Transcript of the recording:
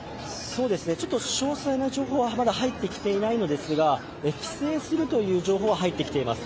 詳細な情報はまだ入ってきていないのですが規制するという情報は入ってきています。